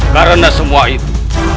karena semua itu